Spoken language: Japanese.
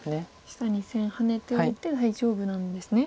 下２線ハネておいて大丈夫なんですね。